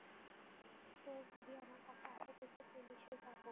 তোর ছবি আমার কাছে আছে, আমি পুলিশে যাব।